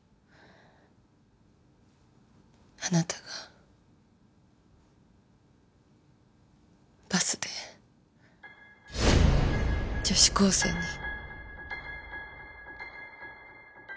あなたがバスで女子高生に。